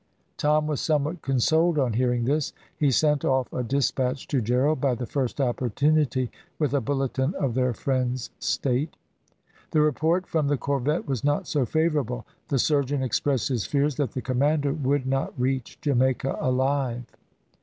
Tom was somewhat consoled on hearing this; he sent off a despatch to Gerald, by the first opportunity, with a bulletin of their friend's state. The report from the corvette was not so favourable. The surgeon expressed his fears that the commander would not reach Jamaica alive.